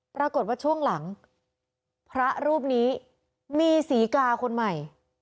ปรากฏว่าช่วงหลังพระรูปนี้มีศรีกาคนใหม่